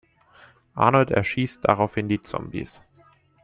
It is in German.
Arnold erschießt daraufhin die Zombies.